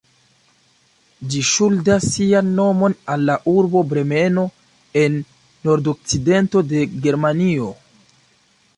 Ĝi ŝuldas sian nomon al la urbo Bremeno en nordokcidento de Germanio.